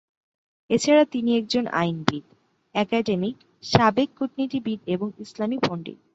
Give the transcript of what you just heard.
এছাড়া তিনি একজন আইনবিদ, অ্যাকাডেমিক, সাবেক কূটনীতিবিদ এবং ইসলামি পণ্ডিত।